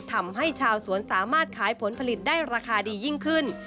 ทำให้ชาวสวนสามารถขายผลผลิตได้ราคาดียิ่งขึ้น